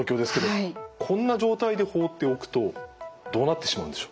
こんな状態で放っておくとどうなってしまうんでしょう？